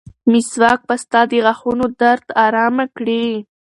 مسواک به ستا د غاښونو درد ارامه کړي.